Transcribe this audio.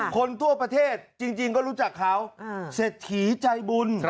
คนทั่วประเทศจริงก็รู้จักเขาเศรษฐีใจบุญ